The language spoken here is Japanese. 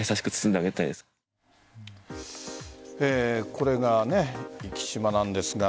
これが壱岐島なんですが。